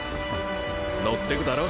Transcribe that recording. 乗ってくだろ？